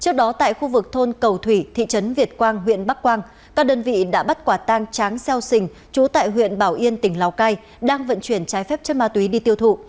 trong thôn cầu thủy thị trấn việt quang huyện bắc quang các đơn vị đã bắt quả tang tráng xeo xình trú tại huyện bảo yên tỉnh lào cai đang vận chuyển trái phép chân ma túy đi tiêu thụ